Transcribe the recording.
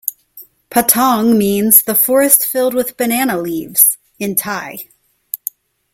Patong means "the forest filled with banana leaves" in Thai.